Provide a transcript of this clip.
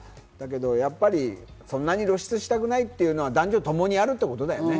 やっぱりそんなに露出したくないっていうのは男女ともにあるってことだよね。